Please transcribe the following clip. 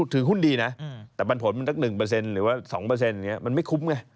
ถือหุ้นดีนะแต่ปันผลมันสัก๑หรือว่า๒อย่างนี้มันไม่คุ้มไง